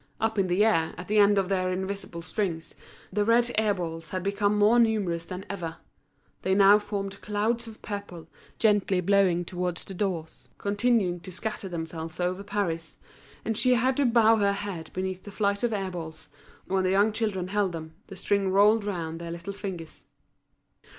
Up in the air, at the end of their invisible strings, the red air balls had become more numerous than ever; they now formed clouds of purple, gently blowing towards the doors, continuing to scatter themselves over Paris; and she had to bow her head beneath the flight of air balls, when very young children held them, the string rolled round their little fingers.